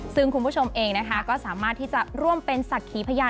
ซึ่งคุณผู้ชมเองนะคะก็สามารถที่จะร่วมเป็นศักดิ์ขีพยาน